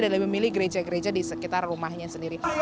dan memilih gereja gereja di sekitar rumahnya sendiri